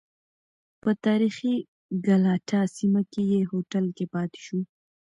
په تاریخی ګلاټا سیمه کې یې هوټل کې پاتې شو.